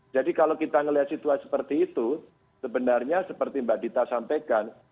jadi kalau kita melihat situasi seperti itu sebenarnya seperti mbak dita sampaikan